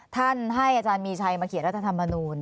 ท่านให้อาจารย์มีชัยมาเขียนรัฐธรรมนูล